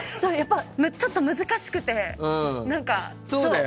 ちょっと難しくて。